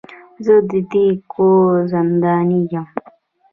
زه د دې کور زنداني يم.